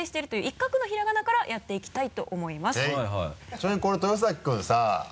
ちなみにこれ豊崎君さ。